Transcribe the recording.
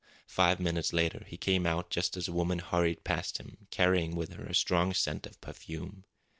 Five minutes later he came out just as a woman hurried past him, carrying with her a strong scent of perfume.